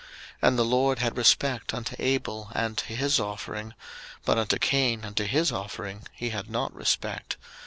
And the LORD had respect unto Abel and to his offering: 01:004:005 But unto Cain and to his offering he had not respect.